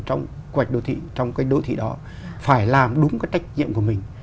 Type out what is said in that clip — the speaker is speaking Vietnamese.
trong quy hoạch đô thị trong cái đô thị đó phải làm đúng cái trách nhiệm của mình